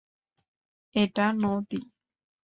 এটা নদী।